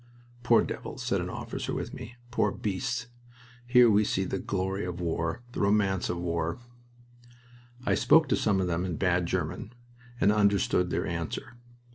"Poor devils!" said an officer with me. "Poor beasts! Here we see the `glory' of war! the `romance' of war!" I spoke to some of them in bad German, and understood their answer.